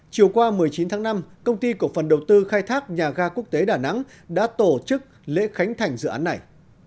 chiều qua một mươi chín tháng năm công ty cổ phần đầu tư khai thác nhà ga quốc tế đà nẵng đã tổ chức lễ khánh thành dự án này